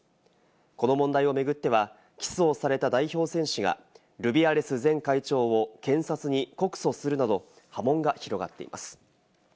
この問題を巡ってはキスをされた代表選手がルビアレス前会長を検察に告訴するなど波紋が広がっています。